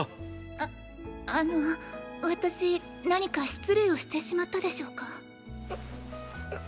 ああの私何か失礼をしてしまったでしょうか？